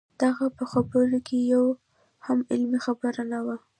د هغه په خبرو کې یوه هم علمي خبره نه وه.